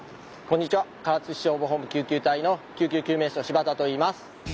唐津市消防本部救急隊の救急救命士の柴田といいます。